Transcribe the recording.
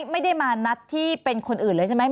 ไม่ได้มานัดที่เป็นคนอื่นเลยใช่ไหม